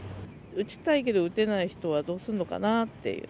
打ちたいけど打てない人はどうするのかなって。